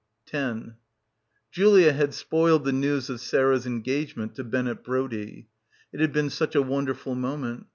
10 Julia had spoiled the news of Sarah's engage ment to Bennett Brodie. It had been such a wonderful moment.